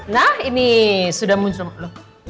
nah ini sudah muncul